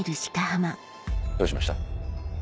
どうしました？